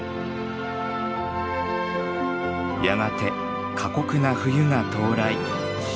やがて過酷な冬が到来。